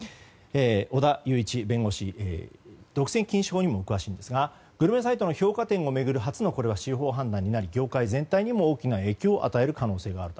小田勇一弁護士独占禁止法にも詳しいんですがグルメサイトの評価点を巡る初の司法判断となり業界全体にも大きな影響を与える可能性がある。